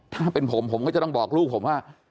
ถ้าเป็นผมผมก็จะต้องบอกลูกผมว่า